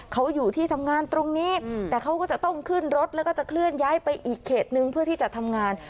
เขาอยู่ที่ทำงานตรงนี้แต่เขาก็จะต้องขึ้นรถแล้วก็จะเคลื่อนย้ายไปอีกเขตนึงเพื่อที่จะทำงาน